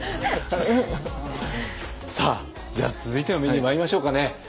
さあじゃあ続いてのメニューにまいりましょうかね。